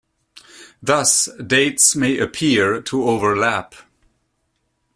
Thus, dates may appear to overlap.